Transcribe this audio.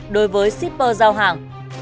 đối với shipper giao hàng